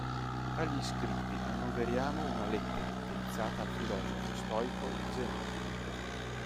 Tra gli scritti annoveriamo una lettera indirizzata al filosofo stoico Zenone.